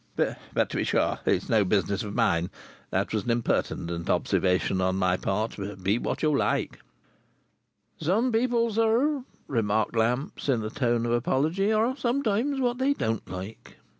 "But to be sure it's no business of mine," said Barbox Brothers. "That was an impertinent observation on my part. Be what you like." "Some people, sir," remarked Lamps, in a tone of apology, "are sometimes what they don't like."